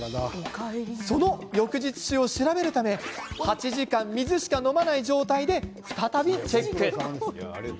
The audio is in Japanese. その翌日臭を調べるため８時間、水しか飲まない状態で再びチェック。